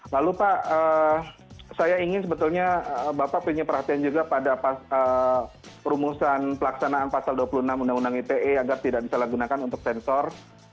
lalu pak saya ingin sebetulnya bapak punya perhatian juga pada rumusan pelaksanaan pasal dua puluh enam undang undang ite agar tidak disalahgunakan untuk sensor